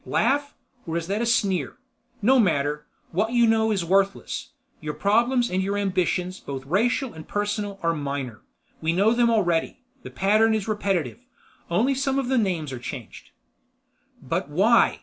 Laugh? Or is that a sneer? No matter. What you know is worthless. Your problems and your ambitions, both racial and personal, are minor. We know them already. The pattern is repetitive, only some of the names are changed. "But why?